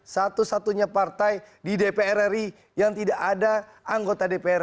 satu satunya partai di dpr ri yang tidak ada anggota dpr